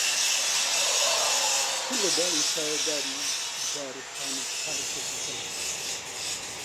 چ لە داری سایەداری دارستان و پارکت بکەم،